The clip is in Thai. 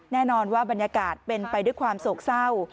แน่นอนว่าบรรยากาศเป็นไปด้วยความโศกเศร้า